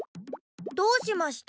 どうしました？